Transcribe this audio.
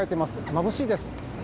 まぶしいです。